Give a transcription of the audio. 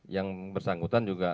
yang bersangkutan juga